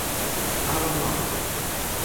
awen wawa.